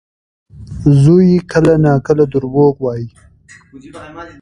زوی یې کله ناکله دروغ وايي.